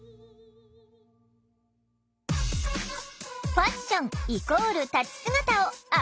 「ファッションイコール立ち姿」をアップデート！